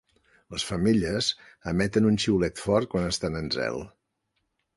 Les femelles emeten un xiulet fort quan estan en zel.